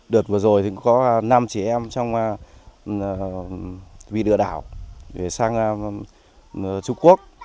đợt vừa rồi thì cũng có năm chị em trong vi lựa đảo về sang trung quốc